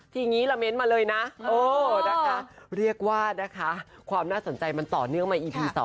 ทีนี้ละเม้นมาเลยนะเรียกว่านะคะความน่าสนใจมันต่อเนื่องมาอีพี๒